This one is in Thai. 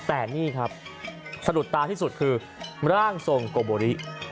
แต่นี่ครับสะดุดตาที่สุดคือร่างทรงโกโบริ